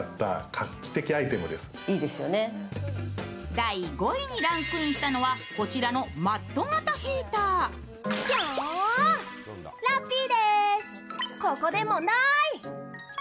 第５位にランクインしたのはこちらのマット型ヒーター。